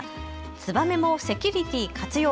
ツバメもセキュリティー活用！